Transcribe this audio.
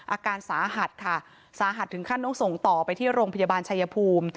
อาการสาหัสค่ะสาหัสถึงขั้นต้องส่งต่อไปที่โรงพยาบาลชายภูมิ